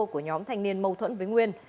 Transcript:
của nhóm thanh niên mâu thuẫn với nguyên